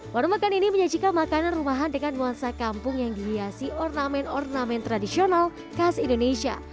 warung makan ini menyajikan makanan rumahan dengan nuansa kampung yang dihiasi ornamen ornamen tradisional khas indonesia